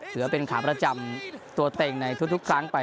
ถือเป็นขาประจำตัวเต็งในทุกครั้งไป